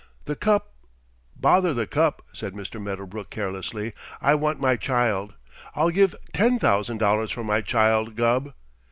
The cup " "Bother the cup!" said Mr. Medderbrook carelessly. "I want my child I'll give ten thousand dollars for my child, Gubb."